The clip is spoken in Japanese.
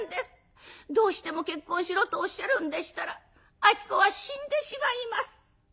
どうしても結婚しろとおっしゃるんでしたら子は死んでしまいます」。